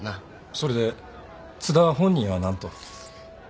それで津田本人は何と？